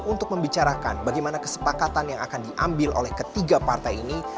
untuk membicarakan bagaimana kesepakatan yang akan diambil oleh ketiga partai ini